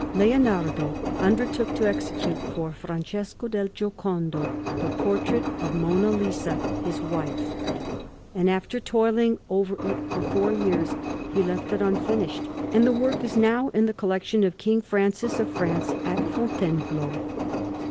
Leonardo undertook to execute, for Francesco del Giocondo, the portrait of Monna Lisa, his wife; and after toiling over it for four years, he left it unfinished; and the work is now in the collection of King Francis of France, at Fontainebleau.